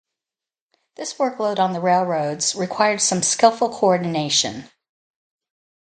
This workload on the railroads required some skillful co-ordination.